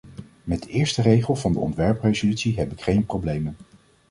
Met de eerste regel van de ontwerpresolutie heb ik geen problemen.